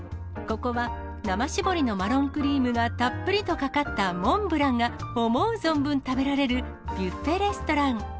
ここは、生絞りのマロンクリームがたっぷりとかかったモンブランが思う存分食べられる、ビュッフェレストラン。